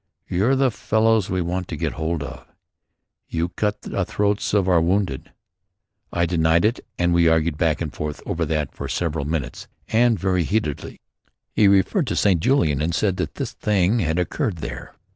"You're the fellows we want to get hold of. You cut the throats of our wounded." I denied it and we argued back and forth over that for several minutes, and very heatedly. He referred to St. Julien and said that this thing had occurred there.